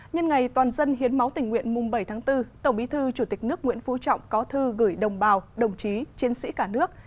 nhân ngày toàn dân hiến máu tình nguyện mùng bảy tháng bốn tổng bí thư chủ tịch nước nguyễn phú trọng có thư gửi đồng bào đồng chí chiến sĩ cả nước